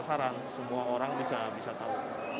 saran semua orang bisa tahu